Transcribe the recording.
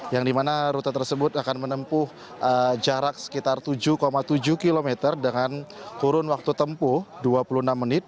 yang dimana rute tersebut akan menempuh jarak sekitar tujuh tujuh km dengan kurun waktu tempuh dua puluh enam menit